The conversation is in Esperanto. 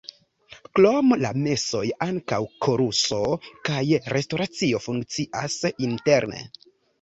Krom la mesoj ankaŭ koruso kaj restoracio funkcias interne.